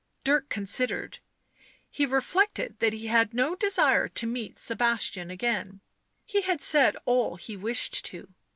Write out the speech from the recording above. Dirk considered ; he reflected that he had no desire to meet Sebastian again ; he had said all he wished to.